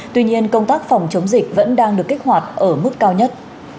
tuy nhiên công tác phòng chống dịch vẫn đang được kích hoạt ở mức cao nhất